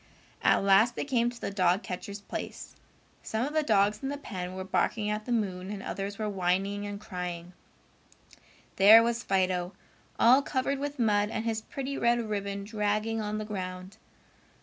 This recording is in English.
At last they came to the dog catcher's place. Some of the dogs in the pen were barking at the moon and others were whining and crying. There was Fido, all covered with mud, and his pretty red ribbon dragging on the ground.